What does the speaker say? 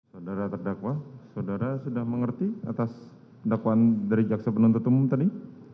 saudara terdakwa saudara sudah mengerti atas dakwaan dari jaksa penuntut umum tadi